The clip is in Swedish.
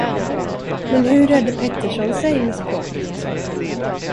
Men hur redde Pettersson sig med språket?